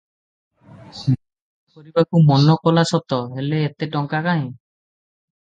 ବିଭା କରିବାକୁ ମନ କଲା ସତ, ହେଲେ ଏତେ ଟଙ୍କା କାହିଁ?